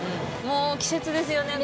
もう季節ですよね